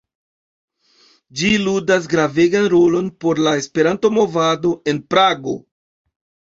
Ĝi ludas gravegan rolon por la Esperanto-movado en Prago.